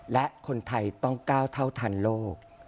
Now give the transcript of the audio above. และคนไทยต้องก้าวเท่าทันโลก